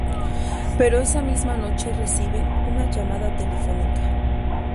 Pero esa misma noche recibe una llamada telefónica.